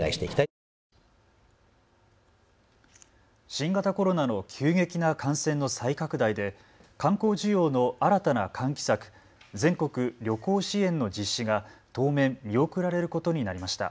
新型コロナの急激な感染の再拡大で観光需要の新たな喚起策、全国旅行支援の実施が当面、見送られることになりました。